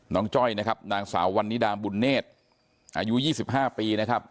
น้องจ้อยนะครับนางสาววันนี้ดามบุญเนศอายุยี่สิบห้าปีนะครับ